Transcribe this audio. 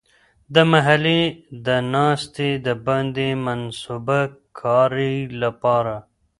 د محلي د ناستې د باندې د منصوبه کارۍ لپاره.